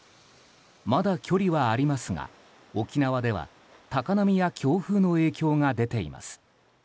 まだ距離はありますが沖縄では高波や強風の影響が出ています。